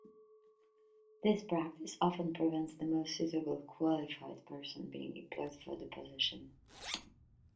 This practice often prevents the most suitably qualified person being employed for the position.